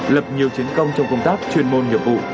lập nhiều chiến công trong công tác chuyên môn nghiệp vụ